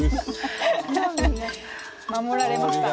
守られました。